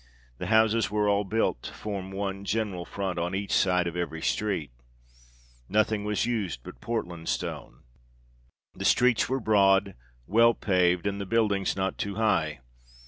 The houses were all built to form one general front on each side of every street. Nothing HIS MAJESTY TURNS ARCHITECT. 39 was used but Portland stone. The streets were broad, well paved, and the buildings not too high.